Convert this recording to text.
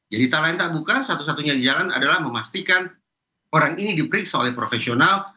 jadi tak lain tak bukan satu satunya jalan adalah memastikan orang ini diperiksa oleh profesional